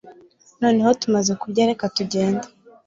Noneho tumaze kurya reka tugende